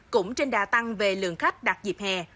cũng trên đa tăng về lượng khách đặt dịp hè